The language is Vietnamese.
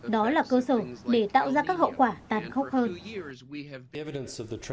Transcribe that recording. đó là cơ sở để tạo ra các hậu quả tàn khốc hơn